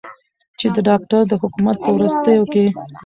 چې د داکتر د حکومت په وروستیو کې